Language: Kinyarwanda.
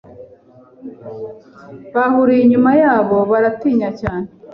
bahuruye inyuma yabo baratinya cyane